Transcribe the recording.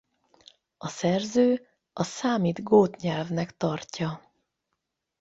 A szerző a számit gót nyelvnek tartja.